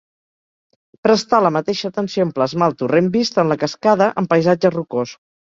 Prestà la mateixa atenció en plasmar el torrent vist en la Cascada en paisatge rocós.